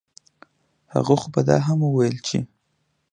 هغه خو به دا هم وييل چې